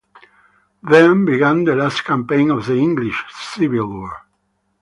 Then began the last campaign of the English Civil War.